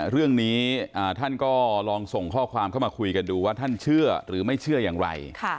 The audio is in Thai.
เรื่องนี้ท่านก็ลองส่งข้อความเข้ามาคุยกันดูว่าท่านเชื่อหรือไม่เชื่ออย่างไร